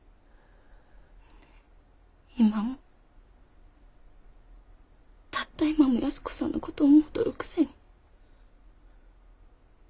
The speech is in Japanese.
今もたった今も安子さんのことを思うとるくせに。